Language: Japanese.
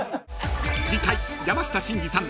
［次回山下真司さん